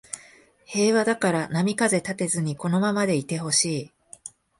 平和だから波風立てずにこのままでいてほしい